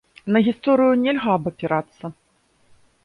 На гісторыю нельга абапірацца.